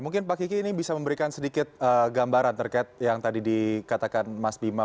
mungkin pak kiki ini bisa memberikan sedikit gambaran terkait yang tadi dikatakan mas bima